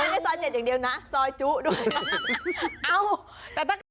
ไม่ได้ซอยเจ็ดอย่างเดียวนะซอยจุด้วย